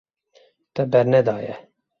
Te bernedaye.